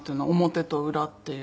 表と裏っていうか。